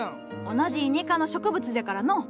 同じイネ科の植物じゃからのう。